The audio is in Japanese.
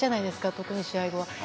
特に試合後は。